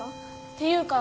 っていうか